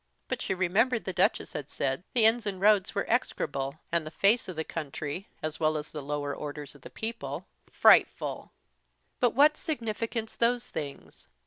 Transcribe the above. But she remembered the Duchess had said the inns and roads were execrable; and the face of the country, as well as the lower orders of people, frightful; but what signified those things?